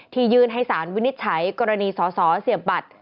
ยื่นให้สารวินิจฉัยกรณีสอสอเสียบบัตร